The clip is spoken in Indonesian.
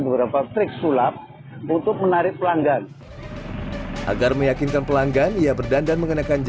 beberapa trik sulap untuk menarik pelanggan agar meyakinkan pelanggan ia berdandan mengenakan